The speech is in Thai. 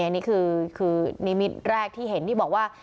นี่คือนิมิตแรกที่เห็นที่บอกว่า